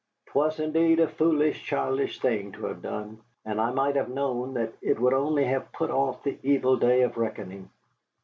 'Twas indeed a foolish, childish thing to have done, and I might have known that it would only have put off the evil day of reckoning.